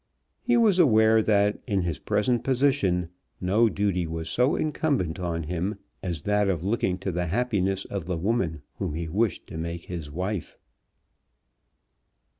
He was aware that in his present position no duty was so incumbent on him as that of looking to the happiness of the woman whom he wished to make his wife.